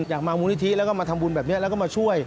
อยากมามูลนิธิแล้วก็มาทำบุญแบบนี้แล้วก็มาช่วย